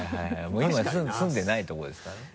もう今住んでないとこですからね。